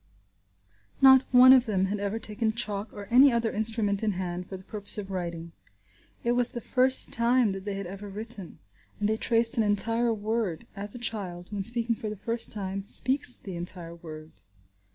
Not one of them had ever taken chalk or any other instrument in hand for the purpose of writing. It was the first time that they had ever written, and they traced an entire word, as a child, when speaking for the first time, speaks the entire word.